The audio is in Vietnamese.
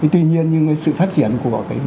tuy nhiên nhưng sự phát triển của